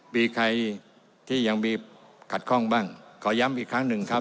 มีใครที่ยังมีขัดข้องบ้างขอย้ำอีกครั้งหนึ่งครับ